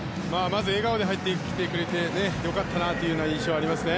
まず笑顔で入ってきてくれてよかったなという印象がありますね。